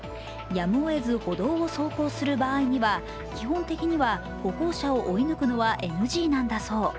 やむをえず歩道を走行する場合には基本的には歩行者を追い抜くのはＮＧなんだそう。